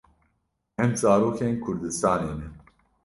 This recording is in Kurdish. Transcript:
Em zarokên kurdistanê ne.